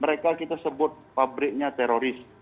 mereka kita sebut pabriknya teroris